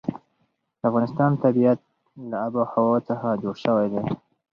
د افغانستان طبیعت له آب وهوا څخه جوړ شوی دی.